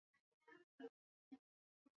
aliishindana na wapinzani wake ansh felix patasse